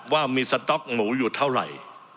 ว่ามีสต๊อกหมูอยู่เท่าไหร่